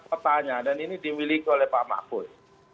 kepala dan ini diwiliki oleh pak ma'fud